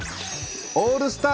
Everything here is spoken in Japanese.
オールスター